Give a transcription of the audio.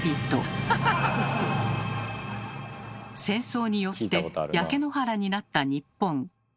戦争によって焼け野原になった日本。